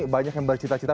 banyak yang bercita cita